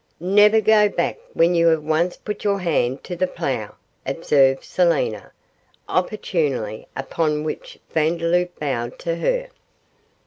'Never go back when you have once put your hand to the plough,' observed Selina, opportunely, upon which Vandeloup bowed to her.